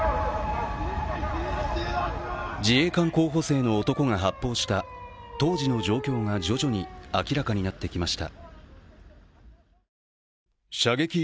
自衛官候補生の男が発砲した当時の状況が徐々に明らかになってきました。